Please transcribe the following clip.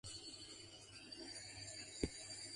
The horse follows the caisson carrying the casket.